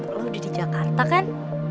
kalau udah di jakarta kan